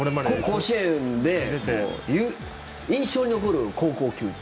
甲子園で印象に残る高校球児。